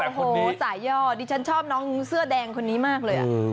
โอ้โหสายย่อดิฉันชอบน้องเสื้อแดงคนนี้มากเลย